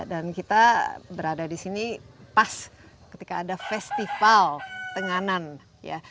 kita berada di sini pas ketika ada festival tenganan ya